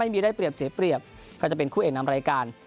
มีอาการ